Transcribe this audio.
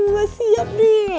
nggak siap deh